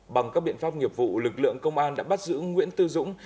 bằng các biện pháp nghiệp vụ lực lượng công an đã bắt giữ nguyễn tư dũng